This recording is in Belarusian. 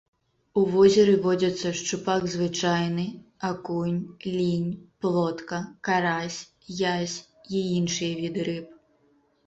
У возеры водзяцца шчупак звычайны, акунь, лінь, плотка, карась, язь і іншыя віды рыб.